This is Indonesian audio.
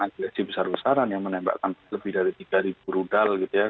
agresi besar besaran yang menembakkan lebih dari tiga rudal gitu ya